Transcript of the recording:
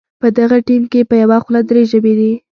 په دغه ټیم کې په یوه خوله درې ژبې دي.